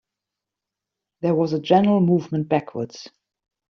There was a general movement backwards.